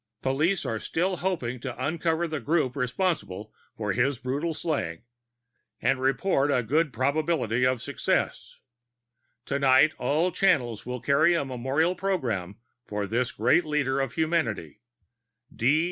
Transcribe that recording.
Police are still hoping to uncover the group responsible for his brutal slaying, and report a good probability of success. Tonight all channels will carry a memorial program for this great leader of humanity.